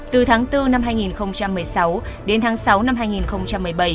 từ tháng bốn năm hai nghìn một mươi sáu đến tháng sáu năm hai nghìn một mươi bảy